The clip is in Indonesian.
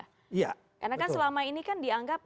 karena kan selama ini kan dianggap